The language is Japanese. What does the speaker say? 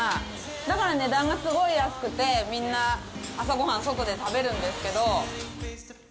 だから、値段がすごい安くて、みんな、朝ごはんを外で食べるんですけど。